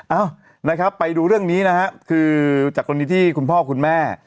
เอ้านะครับไปดูเรื่องนี้นะครับคือจากกรณีที่คุณพ่อคุณแม่